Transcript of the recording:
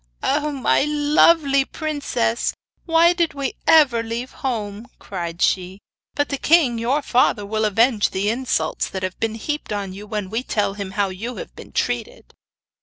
'Oh, my lovely princess, why did we ever leave home?' cried she. 'But the king your father will avenge the insults that have been heaped on you when we tell him how you have been treated.